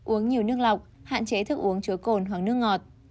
uống nhiều nước lọc hạn chế thức uống chứa cồn hoặc nước ngọt